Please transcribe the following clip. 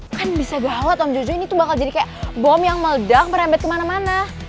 kan bisa gawat om jujur ini tuh bakal jadi kayak bom yang meledak merembet kemana mana